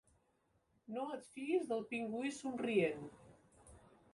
No et fiïs del pingüí somrient.